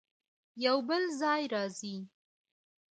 يو بل ځای راځي